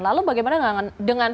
lalu bagaimana dengan pengalih suara